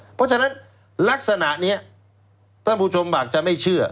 เพราะฉะนั้นลักษณะนี้ท่านผู้ชมอาจจะไม่เชื่อ